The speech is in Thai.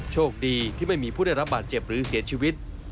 โชคดีที่ไม่มีผู้ได้รับบาดเจ็บหรือเสียชีวิต